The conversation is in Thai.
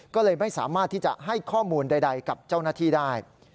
ก็เลยไม่สามารถที่จะให้ข้อมูลใดกับเจ้าหน้าที่ได้